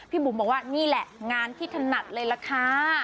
บุ๋มบอกว่านี่แหละงานที่ถนัดเลยล่ะค่ะ